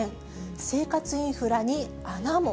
生活インフラに穴も。